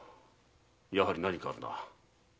やはり何かあるな。